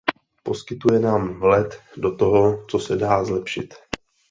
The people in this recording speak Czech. Poskytuje nám vhled do toho, co se dá zlepšit.